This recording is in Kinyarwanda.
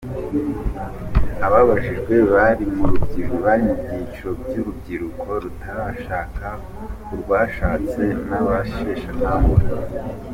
Ababajijwe bari mu byiciro by’urubyiruko rutarashaka, urwashatse n’abasheshakanguhe.